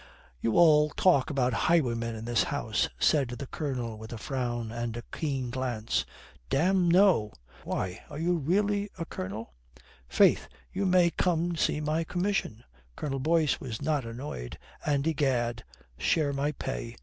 "You all talk about highwaymen in this house," said the Colonel with a frown and a keen glance. "Damme, no." "Why, are you really a colonel?" "Faith, you may come see my commission," Colonel Boyce was not annoyed, "and, egad, share my pay."